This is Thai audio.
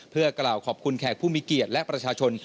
เพื่อกล่าวขอบคุณแขกผู้มีเกียรติและประชาชน